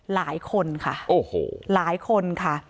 หลายคนค่ะหลายคนค่ะ